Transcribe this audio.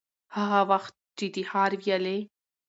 هغه وخت چي د ښار ويالې،